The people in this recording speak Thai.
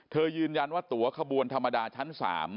ยืนยันว่าตัวขบวนธรรมดาชั้น๓